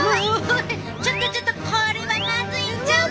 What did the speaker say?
ちょっとちょっとこれはまずいんちゃうの！？